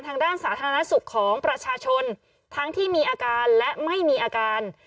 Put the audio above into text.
ทางด้านสาธารณสุขของประชาชนทั้งที่มีอาการและไม่มีอาการ